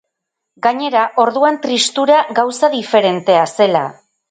Gainera, orduan tristura gauza diferentea zela.